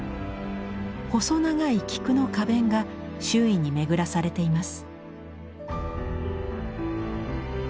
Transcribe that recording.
細長い菊の花弁が周囲に巡らされています。